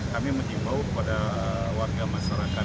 kami menyingkirkan pada warga masyarakat